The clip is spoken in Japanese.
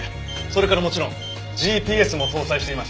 それからもちろんＧＰＳも搭載しています。